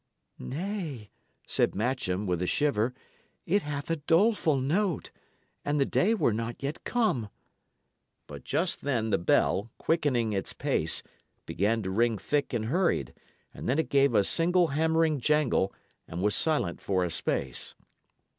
"Nay," said Matcham, with a shiver, "it hath a doleful note. An the day were not come" But just then the bell, quickening its pace, began to ring thick and hurried, and then it gave a single hammering jangle, and was silent for a space.